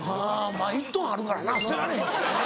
まぁ１ｔあるからな捨てられへん。